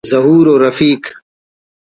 ظہور و رفیق